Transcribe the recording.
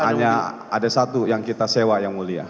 hanya ada satu yang kita sewa yang mulia